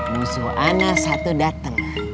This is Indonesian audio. musuh ana satu dateng